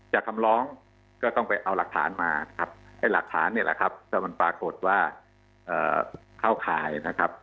คำร้องก็ต้องไปเอาหลักฐานมาครับไอ้หลักฐานเนี่ยแหละครับแต่มันปรากฏว่าเข้าข่ายนะครับ